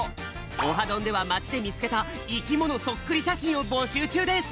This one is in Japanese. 「オハどん！」ではまちでみつけたいきものそっくりしゃしんをぼしゅうちゅうです！